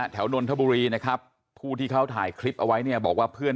นนทบุรีนะครับผู้ที่เขาถ่ายคลิปเอาไว้เนี่ยบอกว่าเพื่อน